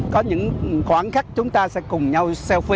có những khoảng khắc chúng ta sẽ cùng nhau selfie cùng nhau vui